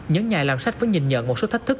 nhấn nhạy làm sách vẫn nhìn nhận một số thách thức